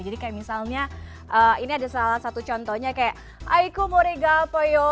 jadi kayak misalnya ini ada salah satu contohnya kayak aiku moregal pyo